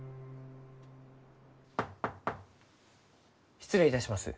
失礼いたします。